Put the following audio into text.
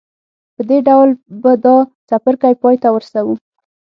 په دې ډول به دا څپرکی پای ته ورسوو.